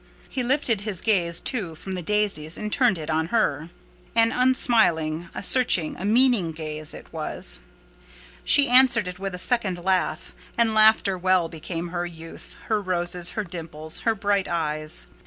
He lifted his gaze, too, from the daisies, and turned it on her. An unsmiling, a searching, a meaning gaze it was. She answered it with a second laugh, and laughter well became her youth, her roses, her dimples, her bright eyes.